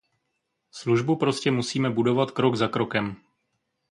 Službu prostě musíme budovat krok za krokem.